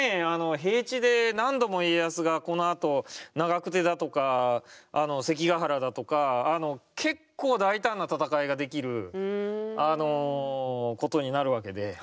平地で何度も家康がこのあと長久手だとかあの関ヶ原だとか結構大胆な戦いができることになるわけで。